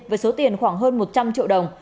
với số tiền khoảng hơn một trăm linh triệu đồng